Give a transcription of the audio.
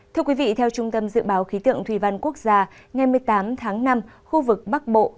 thưa quý vị theo trung tâm dự báo khí tượng thủy văn quốc gia ngày một mươi tám tháng năm khu vực bắc bộ